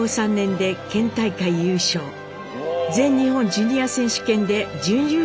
全日本ジュニア選手権で準優勝します。